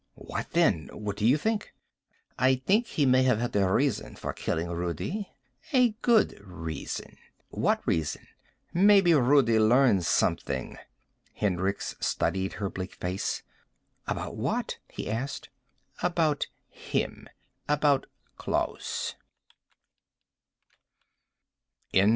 "What, then? What do you think?" "I think he may have had a reason for killing Rudi. A good reason." "What reason?" "Maybe Rudi learned something." Hendricks studied her bleak face. "About what?" he asked. "About him. About Klaus."